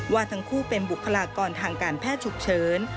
ว่าทั้งคู่เป็นบุคลากรทางการแพทย์ฉุกเฉิน